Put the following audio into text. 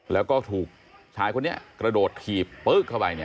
แล้วก็ถูกชายคนนี้กระโดดหยีบป๊อลเอ๊ะเข้าไปเนี่ย